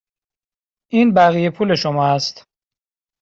این بقیه پول شما است.